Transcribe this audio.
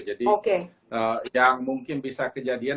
jadi yang mungkin bisa kejadian